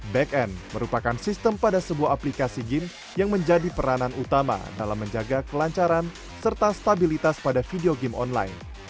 back end merupakan sistem pada sebuah aplikasi game yang menjadi peranan utama dalam menjaga kelancaran serta stabilitas pada video game online